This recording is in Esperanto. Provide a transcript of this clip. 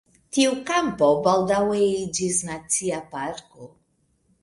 Tiu kampo baldaŭe iĝis Nacia parko.